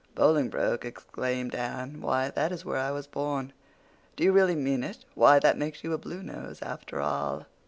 "Bolingbroke!" exclaimed Anne. "Why, that is where I was born." "Do you really mean it? Why, that makes you a Bluenose after all."